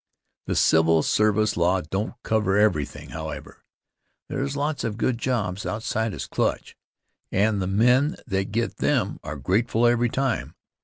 The civil service law don't cover everything, however. There's lots of good jobs outside its clutch, and the men that get them are grateful every time.